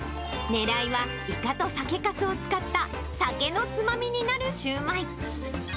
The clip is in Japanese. ねらいはイカと酒かすを使った酒のつまみになるシューマイ。